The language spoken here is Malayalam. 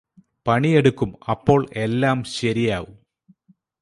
പണിയെടുക്കും അപ്പോൾ എല്ലാം ശരിയാവും